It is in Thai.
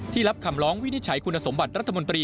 รับคำร้องวินิจฉัยคุณสมบัติรัฐมนตรี